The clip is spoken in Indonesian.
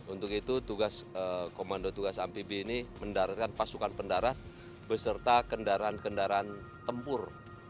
untuk itu komando tugas ampibih ini mendaratkan pasukan mendarat beserta kendaraan kendaraan tempur